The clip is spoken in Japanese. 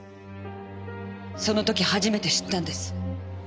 その時初めて知ったんです。